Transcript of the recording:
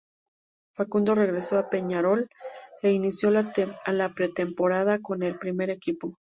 Facundo regresó a Peñarol e inició la pretemporada con el primer equipo.